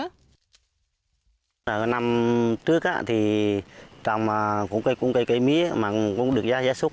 năm trước thì trồng cũng cây mía mà cũng được giá giá súc